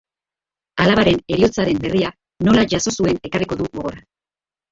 Alabaren heriotzaren berria nola jaso zuen ekarriko du gogora.